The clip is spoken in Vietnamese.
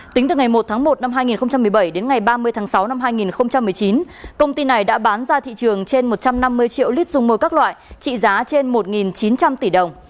tính từ ngày một tháng một năm hai nghìn một mươi bảy đến ngày ba mươi tháng sáu năm hai nghìn một mươi chín công ty này đã bán ra thị trường trên một trăm năm mươi triệu lít dung môi các loại trị giá trên một chín trăm linh tỷ đồng